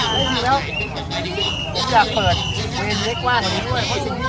แต่มันเป็นการแสดงที่เราแตกต่างจากประเทศอื่นอีก